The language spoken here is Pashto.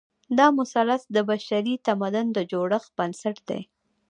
دا مثلث د بشري تمدن د جوړښت بنسټ دی.